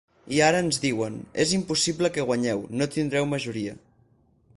I ara ens diuen: és impossible que guanyeu, no tindreu majoria.